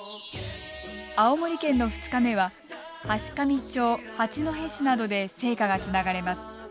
青森県の２日目は階上町八戸市などで聖火がつながれます。